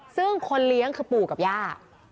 ซึ่งคนเลี้ยงคือปู่กับย่า